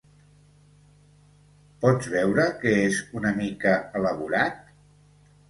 Pots veure que és una mica elaborat?